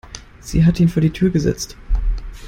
Sie hat ihn vor die Tür gesetzt.